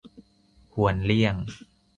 ควรเลี่ยง